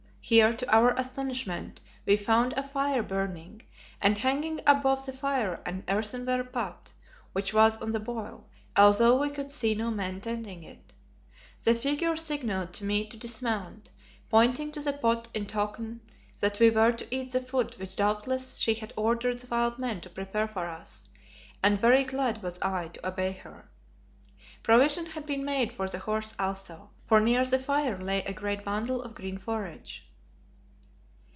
Here, to our astonishment, we found a fire burning, and hanging above the fire an earthenware pot, which was on the boil, although we could see no man tending it. The figure signalled to me to dismount, pointing to the pot in token that we were to eat the food which doubtless she had ordered the wild men to prepare for us, and very glad was I to obey her. Provision had been made for the horse also, for near the fire lay a great bundle of green forage.